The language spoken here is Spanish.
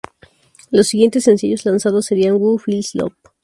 Los siguientes sencillos lanzados serían "Who Feels Love?